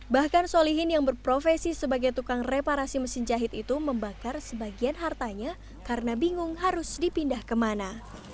bahkan solihin yang berprofesi sebagai tukang reparasi mesin jahit itu membakar sebagian hartanya karena bingung harus dipindah kemana